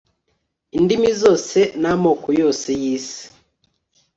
indimi zose n'amoko yose yisi